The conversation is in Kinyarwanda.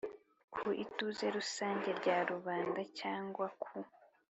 Ku ituze rusange rya rubanda cyangwa ku